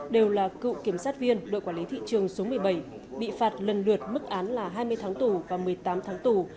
đều là cựu kiểm sát viên đội quản lý thị trường số một mươi bảy bị phạt lần lượt mức án là hai mươi tháng tù và một mươi tám tháng tù